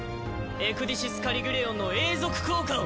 エクディシス・カリギュレオンの永続効果を！